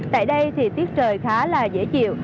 tại đây thì tiết trời khá là dễ chịu